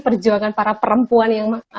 perjuangan para perempuan yang